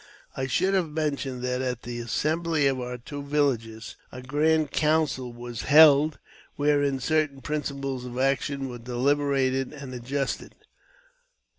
I should have mentioned that at the assembly of our two villages a grand council was held, wherein certain principles of action were deliberated and adjusted.